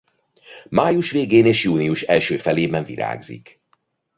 Május végén és június első felében virágzik.